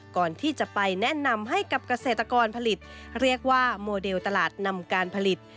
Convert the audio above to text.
ก่อนที่จะไปแนะนำให้กับเกษตรกรผลิตเรียกว่าโมเดลตลาดนำการผลิต